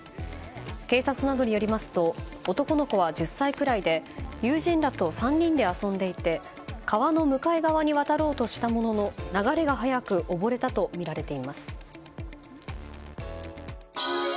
警察などによりますと男の子は１０歳くらいで友人らと３人で遊んでいて川の向かい側に渡ろうとしたものの流れが速く溺れたとみられています。